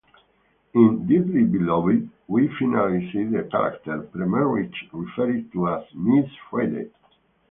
In "Deadly Beloved" we finally see the character, pre-marriage, referred to as "Miss Friday".